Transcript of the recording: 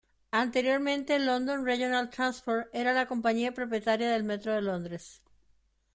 Anteriormente London Regional Transport era la compañía propietaria del Metro de Londres.